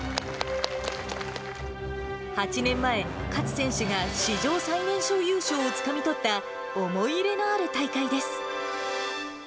８年前、勝選手が史上最年少優勝をつかみ取った、思い入れのある大会です。